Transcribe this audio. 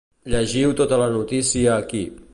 Llegiu tota la notícia aquí.